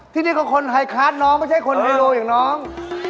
ที่นี่ก็คนไฮคาร์ดน้องไม่ใช่คนไฮโลอย่างน้อง